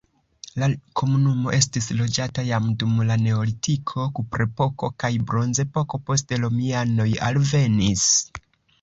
La komunumo estis loĝata jam dum la neolitiko, kuprepoko kaj bronzepoko, poste romianoj alvenis.